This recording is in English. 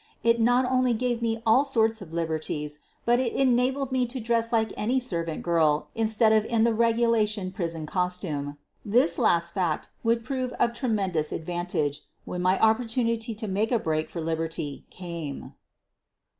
It not only gave me all sorts of liberties but it enabled me to dress like any servant girl instead of in the regulation prison costume. This last fact would prove of tremendous advantage when my oppor tunity to make a break for liberty came.